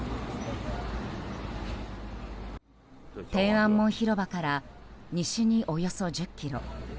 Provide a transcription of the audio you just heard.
天安門広場から西におよそ１０ｋｍ。